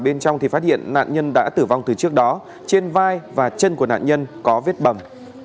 bên trong thì phát hiện nạn nhân đã tử vong từ trước đó trên vai và chân của nạn nhân có vết bầm